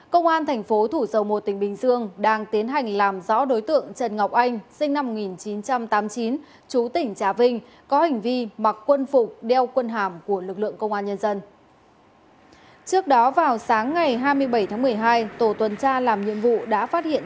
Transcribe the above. công an tp thủ sầu một tỉnh bình dương đang tiến hành làm rõ đối tượng trần ngọc anh sinh năm một nghìn chín trăm tám mươi chín chú tỉnh trà vinh có hành vi mặc quân phục đeo quân hàm của lực lượng quân